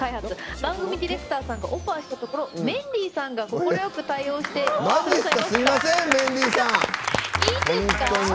番組ディレクターさんがオファーしたところメンディーさんが快く快諾していただきました。